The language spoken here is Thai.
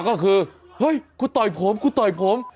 ก็คือเฮ้ยคุณต่อยผมกูต่อยผม